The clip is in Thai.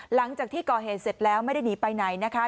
หลังจากที่ก่อเหตุเสร็จแล้วไม่ได้หนีไปไหนนะคะ